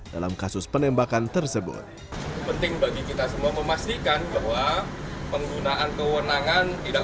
dalam kasus penembakan tersebut penting bagi kita semua memastikan bahwa penggunaan kewenangan tidak